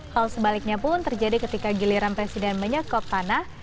hal sebaliknya pun terjadi ketika giliran presiden menyekop tanah